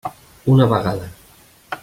Una vegada.